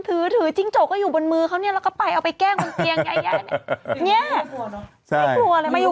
ถือจิ้งจกก็อยู่บนมือเขาเนี่ยเราก็ไปเอาไปแกล้งกลางเกียง